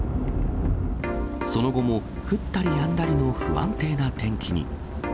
その後も降ったりやんだりの不安定な天気に。